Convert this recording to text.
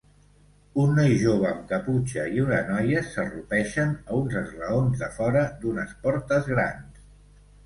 Un noi jove amb caputxa i una noia s'arrupeixen a uns esglaons de fora d'unes portes grans.